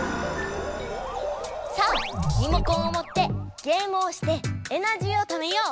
さあリモコンをもってゲームをしてエナジーをためよう！